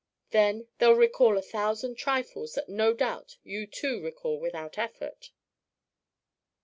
Then they'll recall a thousand trifles that no doubt you too recall without effort."